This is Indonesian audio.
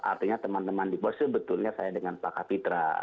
artinya teman teman di pos sebetulnya saya dengan pak kapitra